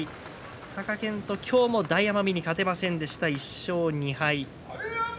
貴健斗は今日も大奄美に勝てませんでした、１勝２敗。